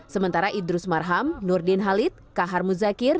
sementara idrus marham nurdin halid kak harmo zakir